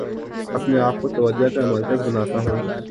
اپنے آپ کو توجہ کا مرکز بناتا ہوں